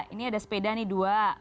ini ada sepeda nih dua